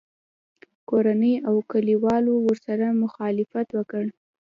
کورنۍ او کلیوالو ورسره مخالفت وکړ